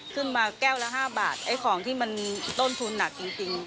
แก้วละ๕บาทไอ้ของที่มันต้นทุนหนักจริง